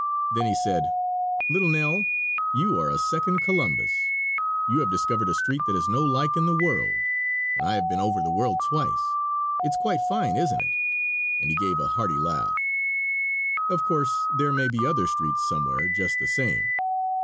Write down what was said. Then he said, "Little Nell, you are a second Columbus. You have discovered a street that has no like in the world, and I have been over the world twice. It's quite fine, isn't it?" and he gave a hearty laugh. Of course, there may be other streets somewhere just the same.